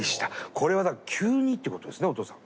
これはだから急にっていうことですねお父さん。